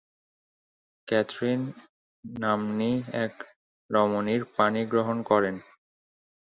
Catherine নাম্নী এক রমণীর পাণিগ্রহণ করেন।